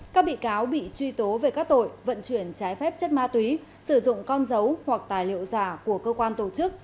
các bị cáo bị truy tố về các tội vận chuyển trái phép chất ma túy sử dụng con dấu hoặc tài liệu giả của cơ quan tổ chức